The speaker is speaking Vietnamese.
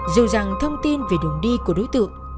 dù rằng thông tin về đường đi của đối tượng